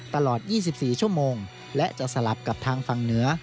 ตลอด๒๔ชั่วโมงและจะสลับกับทางฝั่งเหนือ